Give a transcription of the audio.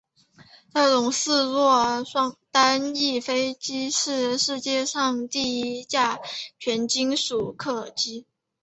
这种四座单翼飞机是世界上第一架全金属客机。